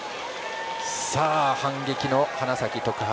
反撃の花咲徳栄